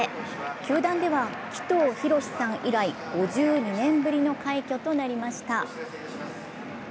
球団では鬼頭洋さん以来５２年ぶりの快挙となりました。